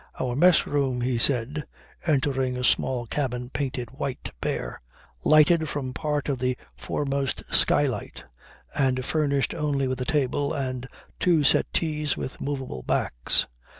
"Our mess room," he said, entering a small cabin painted white, bare, lighted from part of the foremost skylight, and furnished only with a table and two settees with movable backs.